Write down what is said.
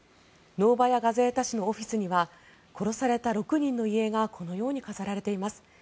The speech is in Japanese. ノーバヤ・ガゼータ紙のオフィスには殺された６人の遺影がこのように飾られています。